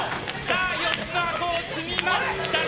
４つの箱を積みました。